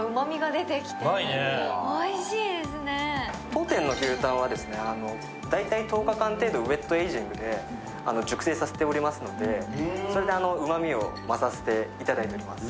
当店の牛タンはだいたい１０日間程度ウェットエイジングで熟成させておりますので、うまみを増させていただいております。